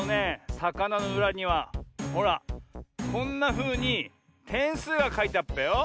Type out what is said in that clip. さかなのうらにはほらこんなふうにてんすうがかいてあっぺよ。